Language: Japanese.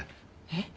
えっ？